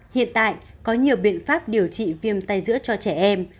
hiện tại có nhiều biện pháp điều trị viêm tay giữa cho trẻ em